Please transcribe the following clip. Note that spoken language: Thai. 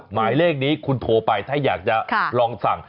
หมายเลขนี้คุณโทรไปถ้าอยากจะลองสั่ง